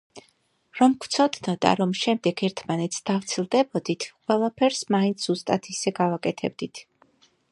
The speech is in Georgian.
რომ გვცოდნოდა, რომ შემდეგ ერთმანეთს დავცილდებოდით, ყველაფერს მაინც ზუსტად ისე გავაკეთებდით.